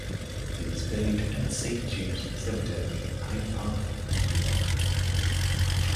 He was buried at Saint James Cemetery, Hyde Park, New York.